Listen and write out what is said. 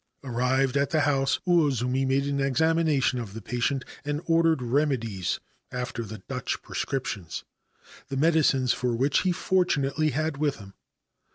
Arrived at the house, Uozumi made an examination of the patient and ordered remedies after the Dutch prescriptions, the medicines for which he fortunately had with him.